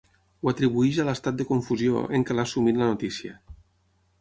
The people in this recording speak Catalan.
Ho atribueix a l'estat de confusió en què l'ha sumit la notícia.